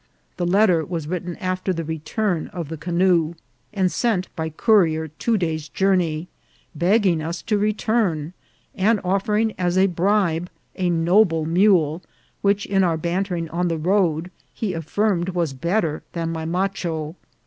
The letter was written after the return of the canoe, and sent by courier two days' journey, begging us to return, and offering as a bribe a noble mule, which, in our bantering on the road, he affirmed was better than my macho.